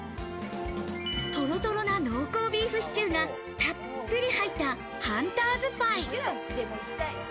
トロトロな濃厚ビーフシチューがたっぷり入った、ハンターズ・パイ。